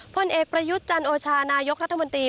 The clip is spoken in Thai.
ผลเอกประยุทธ์จันโอชานายกรัฐมนตรี